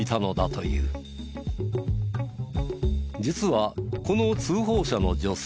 実はこの通報者の女性。